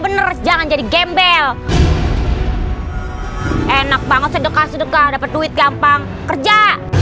bener jangan jadi gembel enak banget sedekah sedekah dapat duit gampang kerja